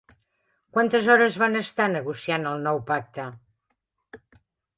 Quantes hores van estar negociant el nou pacte?